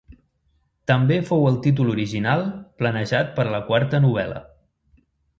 També fou el títol original planejat per a la quarta novel·la.